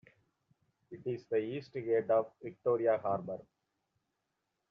It is the east gate of Victoria Harbour.